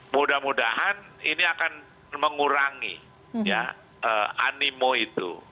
mudah mudahan ini akan mengurangi animo itu